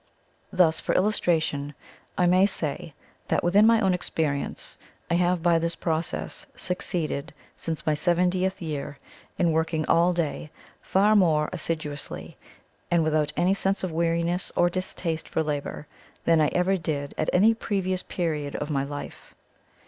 Thus, for illustration, I may say that within my own experience, I have by this process succeeded since my seventieth year in working all day far more assiduously, and without any sense of weariness or distaste for labour, than I ever did at any previous period of my life.